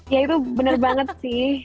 ya itu bener banget sih